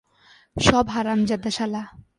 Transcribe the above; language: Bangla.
সব হারামজাদা শালা!